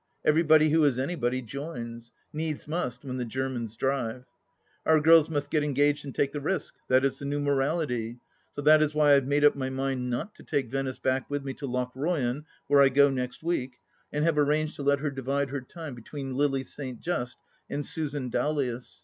Everybody who is anybody joins. Needs must, when the Gennans drive. Our girls must get engaged and take the risk. That is the new morality. So that is why I have made up my mind not to take Venice back with me to Lochroyan, where I go next week, and have arranged to let her divide her time between Lily St. Just and Susan Dowlais.